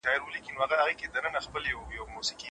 آیا د مذهبي ډلو تر منځ تعصب شتون لري؟